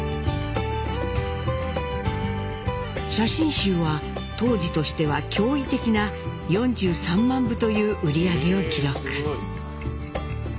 写真集は当時としては驚異的な４３万部という売り上げを記録。